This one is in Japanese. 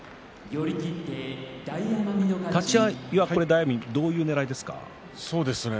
立ち合いはどういうねらいですか？。